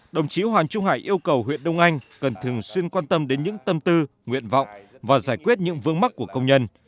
đồng chí hoàng trung hải yêu cầu huyện đông anh cần thường xuyên quan tâm đến những tâm tư nguyện vọng và giải quyết những vương mắc của công nhân